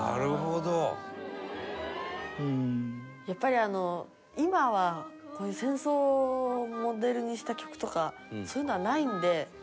やっぱり、あの今は、こういう戦争をモデルにした曲とかそういうのはないんで。